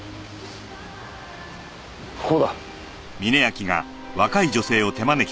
ここだ。